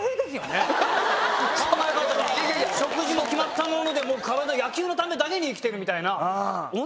食事も決まったもので体野球のためだけに生きてるみたいな。